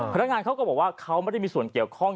พนักงานเขาก็บอกว่าเขาไม่ได้มีส่วนเกี่ยวข้อง